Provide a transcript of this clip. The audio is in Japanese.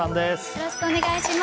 よろしくお願いします。